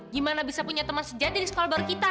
gimana bisa punya teman sejati di sekolah baru kita